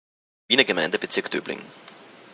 Wiener Gemeindebezirk Döbling.